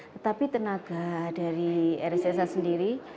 tetapi tenaga dari rss sendiri